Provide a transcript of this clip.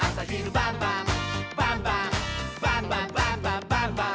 「バンバンバンバンバンバン！」